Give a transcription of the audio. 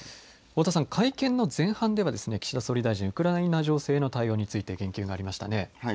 太田さん、改憲の前半では、岸田総理大臣、ウクライナ情勢への対応について言及がありましたね。